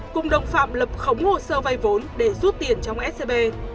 cùng đồng phạm lập khống hồ sơ vay vốn để rút tiền trong scb